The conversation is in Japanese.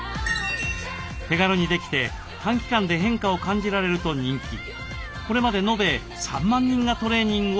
手軽にできて短期間で変化を感じられると人気。